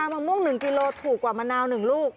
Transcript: มะม่วง๑กิโลถูกกว่ามะนาว๑ลูก